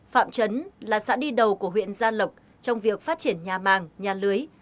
phạm trấn là xã đi đầu của huyện gia lộc trong việc phát triển nhà màng nhà lưới